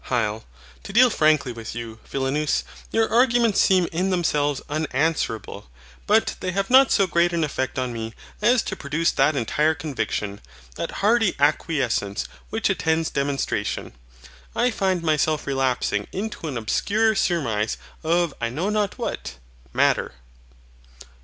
HYL. To deal frankly with you, Philonous, your arguments seem in themselves unanswerable; but they have not so great an effect on me as to produce that entire conviction, that hearty acquiescence, which attends demonstration. I find myself relapsing into an obscure surmise of I know not what, MATTER.